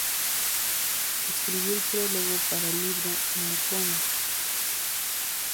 Escribió el prólogo para el libro "Neo-Conned!